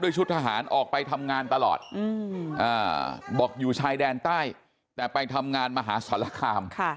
ชุดทหารออกไปทำงานตลอดบอกอยู่ชายแดนใต้แต่ไปทำงานมหาสารคาม